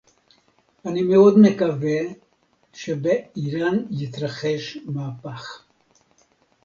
אני מאוד מקווה שבאירן יתרחש מהפך